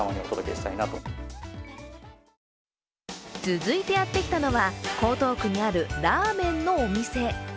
続いてやってきたのは江東区にあるラーメンのお店。